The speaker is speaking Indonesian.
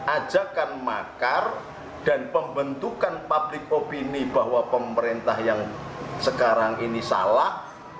ajakan makar dan pembentukan public opini bahwa pemerintah yang sekarang ini salah